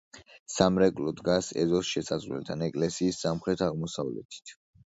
სამრეკლო დგას ეზოს შესასვლელთან, ეკლესიის სამხრეთ-აღმოსავლეთით.